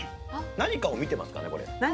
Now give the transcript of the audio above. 何かを見てますかね。